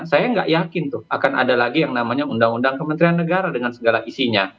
saya nggak yakin tuh akan ada lagi yang namanya undang undang kementerian negara dengan segala isinya